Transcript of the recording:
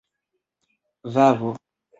vavo